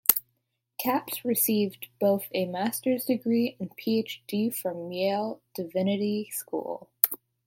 Capps received both a master's degree and PhD from Yale Divinity School.